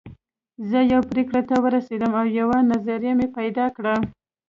زه يوې پرېکړې ته ورسېدم او يوه نظريه مې پيدا کړه.